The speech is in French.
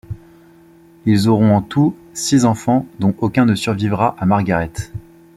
Ils auront en tout six enfants dont aucun ne survivra à Margaret.